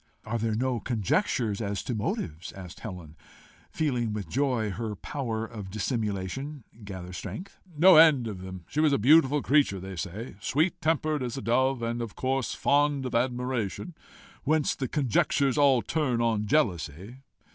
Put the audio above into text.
"Are there no conjectures as to motives?" asked Helen, feeling with joy her power of dissimulation gather strength. "No end of them. She was a beautiful creature, they say, sweet tempered as a dove, and of course fond of admiration whence the conjectures all turn on jealousy.